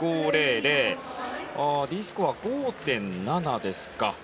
Ｄスコア、５．７ですか。